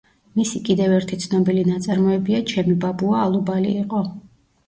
მისი კიდევ ერთი ცნობილი ნაწარმოებია „ჩემი ბაბუა ალუბალი იყო“.